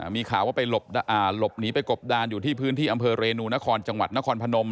มีข่าวว่าไปหลบจะอ่านหลบหนีไปกบด่านอยู่ที่อำเภอเรนุนคลนธพนม